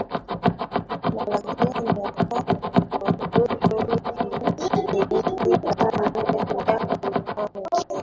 malaria ni hatari kwa watotot wenye umri chini ya miaka mitano